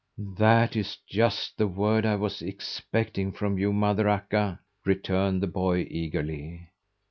"That is just the word I was expecting from you, Mother Akka," returned the boy eagerly.